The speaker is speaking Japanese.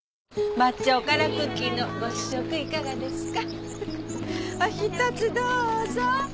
抹茶おからクッキーのご試食いかがですか？